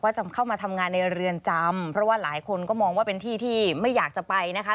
จะเข้ามาทำงานในเรือนจำเพราะว่าหลายคนก็มองว่าเป็นที่ที่ไม่อยากจะไปนะคะ